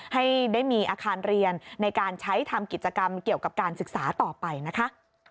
ให้ได้มีอาคารเรียนในการใช้ทำกิจกรรมเกี่ยวกับการศึกษาต่อไปนะคะ